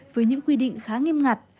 với những quy định khá nghiêm ngặt